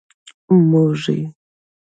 موږي.